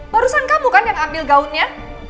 barusan kamu kan yang ambil gaunnya